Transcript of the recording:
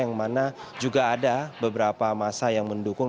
yang mana juga ada beberapa masa yang mendukung